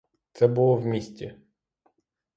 Це було в місті.